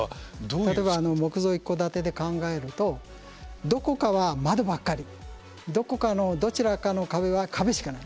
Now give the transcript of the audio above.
例えば木造一戸建てで考えるとどこかは窓ばっかりどこかのどちらかの壁は壁しかない。